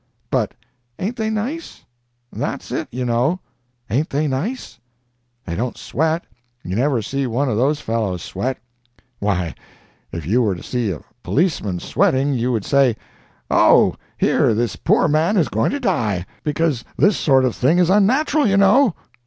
But ain't they nice?—that's it, you know!—ain't they nice? They don't sweat—you never see one of those fellows sweat. Why, if you were to see a policeman sweating you would say, "oh, here, this poor man is going to die—because this sort of thing is unnatural, you know."